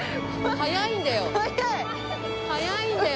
速いんだよ